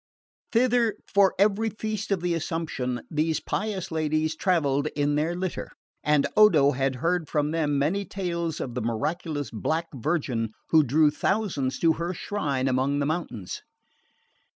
Thither, for every feast of the Assumption, these pious ladies travelled in their litter; and Odo had heard from them many tales of the miraculous Black Virgin who drew thousands to her shrine among the mountains.